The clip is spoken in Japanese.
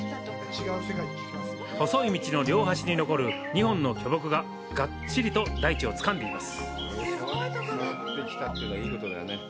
細い道の両端に残る２本の巨木ががっちりと大地をつかんでいます。